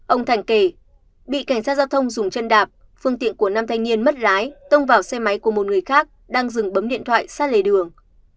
ông thành kể bị cảnh sát giao thông dùng chân đạp phương tiện của năm thanh niên mất lái tông vào xe máy của một người khác đang dừng bấm điện thoại sát lề đường